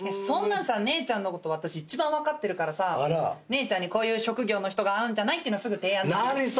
そんなんさ姉ちゃんのこと私一番分かってるからさ姉ちゃんにこういう職業の人が合うんじゃないっていうのすぐ提案できる。